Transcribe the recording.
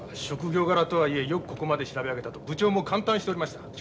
職業柄とはいえよくここまで調べ上げたと部長も感嘆しておりました。